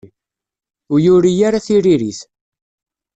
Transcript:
Ur yuri ara tiririt.